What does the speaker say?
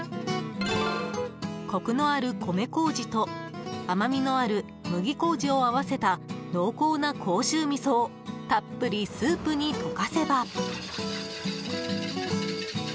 コクのある米麹と甘みのある麦麹を合わせた濃厚な甲州味噌をたっぷりスープに溶かせば。